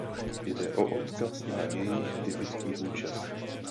Jde o odkaz na jejich typický účes.